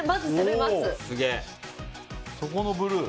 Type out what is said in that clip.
そこのブルー。